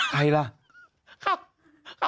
ใครล่ะ